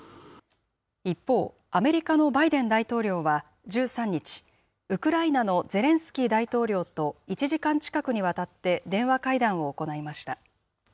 一方、アメリカのバイデン大統領は１３日、ウクライナのゼレンスキー大統領と１時間近くにわたって電話会談を行いました。